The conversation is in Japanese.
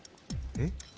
えっ？